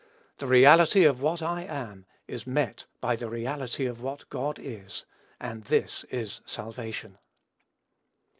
The reality of what I am is met by the reality of what God is; and this is salvation.